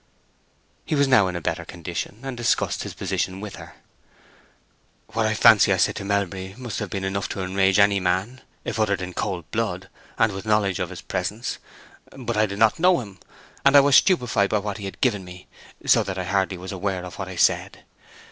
He was now in better condition, and discussed his position with her. "What I fancy I said to Melbury must have been enough to enrage any man, if uttered in cold blood, and with knowledge of his presence. But I did not know him, and I was stupefied by what he had given me, so that I hardly was aware of what I said.